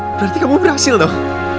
berarti kamu berhasil dong